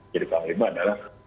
jadi kalau saya lihat